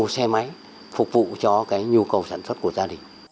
cây máy phục vụ cho cái nhu cầu sản xuất của gia đình